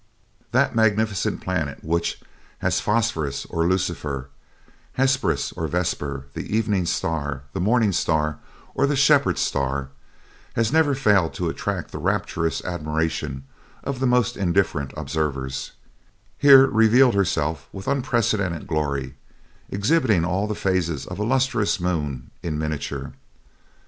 That magnificent planet which as Phosphorus or Lucifer, Hesperus or Vesper, the evening star, the morning star, or the shepherd's star has never failed to attract the rapturous admiration of the most indifferent observers, here revealed herself with unprecedented glory, exhibiting all the phases of a lustrous moon in miniature.